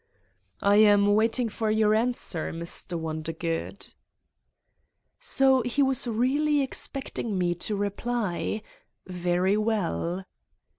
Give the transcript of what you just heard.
"I am waiting for your answer, Mr. Wonder good. " So he was really expecting me to reply? Very well.